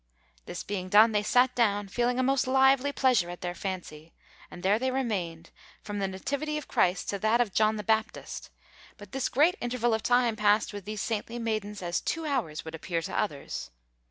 This being done, they sat down, feeling a most lively pleasure at their fancy; and there they remained, from the Nativity of Christ to that of John the Baptist; but this great interval of time passed with these saintly maidens as two hours would appear to others.